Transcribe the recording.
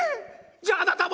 じゃああなたも！？」。